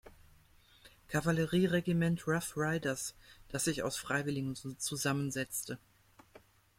Kavallerieregiment „Rough Riders“, das sich aus Freiwilligen zusammensetzte.